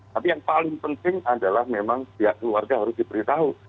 tapi yang paling penting adalah memang pihak keluarga harus diberitahu